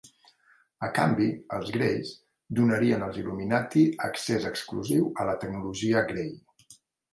A canvi, els Greys donarien als Illuminati accés exclusiu a la tecnologia Gray.